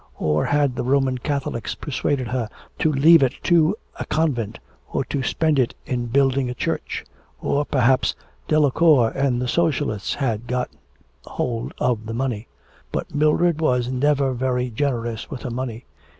Or had the Roman Catholics persuaded her to leave it to a convent or to spend it in building a church? Or perhaps, Delacour and the Socialists have got hold of the money. But Mildred was never very generous with her money.